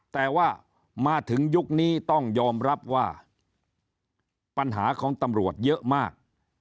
แต่ว่ามาถึงยุคนี้ต้องยอมรับว่าปัญหาของตำรวจเยอะมาก